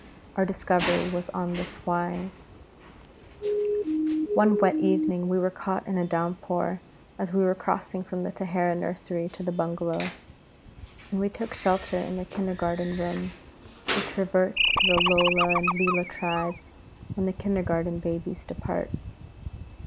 Our discovery was on this wise: One wet evening we were caught in a downpour as we were crossing from the Taraha nursery to the bungalow, and we took shelter in the kindergarten room, which reverts to the Lola and Leela tribe when the kindergarten babies depart.